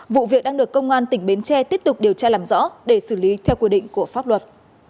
vụ việc đang được công an tỉnh bến tre tiếp tục điều tra làm rõ để xử lý theo quy định của pháp luật